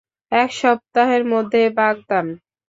এক সপ্তাহের মধ্যে বাগদান।